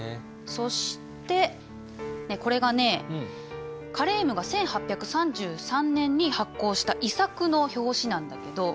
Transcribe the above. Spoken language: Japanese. そしてこれがねカレームが１８３３年に発行した遺作の表紙なんだけど。